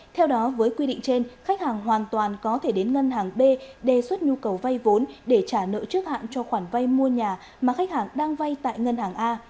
theo đó với quy định trên khách hàng hoàn toàn có thể đến ngân hàng b đề xuất nhu cầu vay vốn để trả nợ trước hạn cho khoản vay mua nhà mà khách hàng đang vay tại ngân hàng a